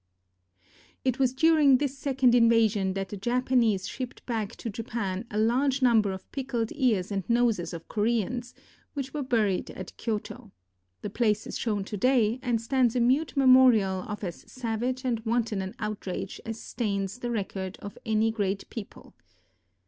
It was during this second invasion that the Japanese shipped back to Japan a large number of pickled ears and noses of Koreans, which were buried at Kyoto. The place is shown to day, and stands a mute memorial of as savage and wanton an outrage as stains the record of any great people.